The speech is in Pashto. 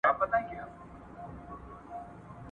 د صنعتي توليداتو کيفيت لوړ کړئ.